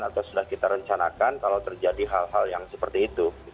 atau sudah kita rencanakan kalau terjadi hal hal yang seperti itu